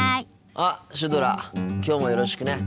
あっシュドラきょうもよろしくね。